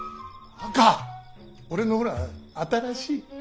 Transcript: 俺のほら新しい。